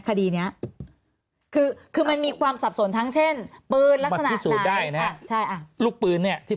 คดีนี้คือคือมันมีความสับสนทั้งเช่นปืนลูกปืนเนี่ยที่